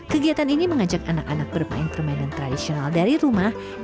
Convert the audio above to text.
kegiatan ini mengajak anak anak bermain permainan tradisional dari rumah